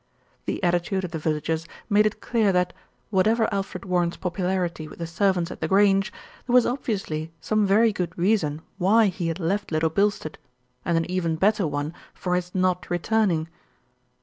The attitude of the villagers made it clear that, whatever Alfred Warren's popu larity with the servants at The Grange, there was obviously some very good reason why he had left Little Bilstead, and an even better one for his not returning.